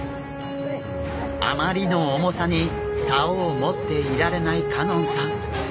あまりの重さに竿を持っていられない香音さん。